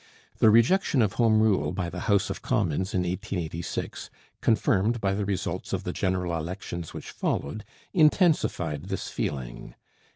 The rejection of Home Rule by the House of Commons in 1886, confirmed by the results of the general elections which followed, intensified this feeling.